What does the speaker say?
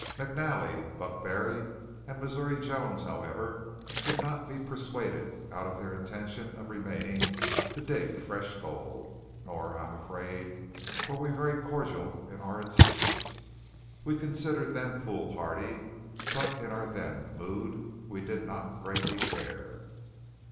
McNally, Buck Barry, and Missouri Jones, however, could not be persuaded out of their intention of remaining to dig fresh gold; nor, I am afraid, were we very cordial in our insistence. We considered them foolhardy; but in our then mood we did not greatly care.